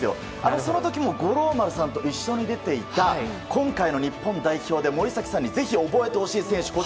その時も五郎丸さんと一緒に出ていた今回の日本代表で森崎さんにぜひ覚えてほしい選手